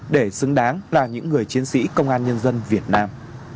để xứng đáng là những người chiến sĩ công an nhân dân việt nam